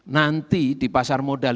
nanti di pasar modal